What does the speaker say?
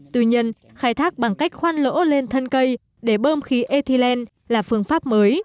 tuy nhiên khai thác bằng cách khoan lỗ lên thân cây để bơm khí ethylene là phương pháp mới